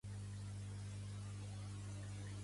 A Maryland, hi ha molt pocs.